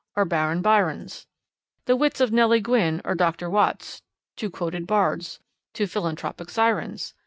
or Baron Byron's; The wits of Nelly Gwynne or Doctor Watts Two quoted bards. Two philanthropic sirens.